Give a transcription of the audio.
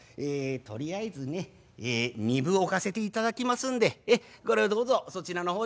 とりあえずね２分置かせていただきますんでこれをどうぞそちらの方で。